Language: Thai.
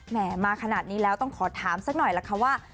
มาขนาดนี้แล้วต้องขอถามสักหน่อยล่ะค่ะว่า